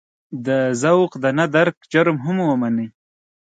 د ذوق د نه درک جرم هم ومني.